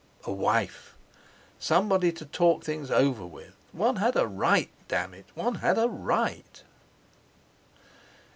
A wife! Somebody to talk things over with. One had a right! Damn it! One had a right!